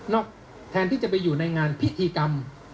แทนที่จะไปอยู่ในงานพิธีกรรม